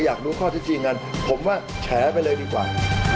อยากรู้ข้อที่จริงกันผมว่าแฉไปเลยดีกว่า